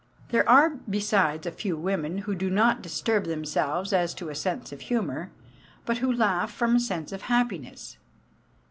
There are, besides, a few women who do not disturb themselves as to a sense of humour, but who laugh from a sense of happiness.